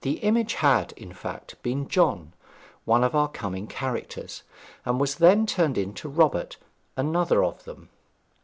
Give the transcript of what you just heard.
The image had, in fact, been John, one of our coming characters, and was then turned into Robert, another of them.